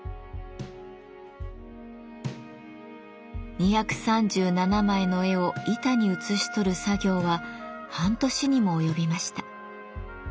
２３７枚の絵を板に写し取る作業は半年にも及びました。